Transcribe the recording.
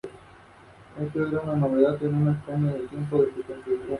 Como Miss Colorado sus actividades incluyeron apariciones públicas en todo Colorado.